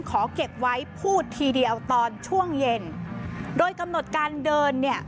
ขอเก็บไว้พูดทีเดียวตอนช่วงเย็นโดยกำหนดการเดินเนี่ย